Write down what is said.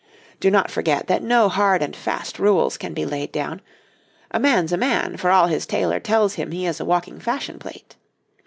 Do not forget that no hard and fast rules can be laid down; a man's a man for all his tailor tells him he is a walking fashion plate.